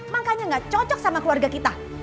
makanya gak cocok sama keluarga kita